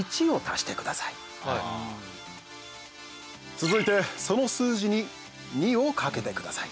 続いてその数字に２をかけてください。